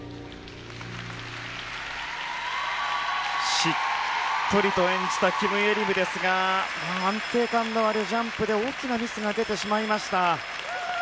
しっとりと演じたキム・イェリムですが安定感があるジャンプで大きなミスが出てしまいました。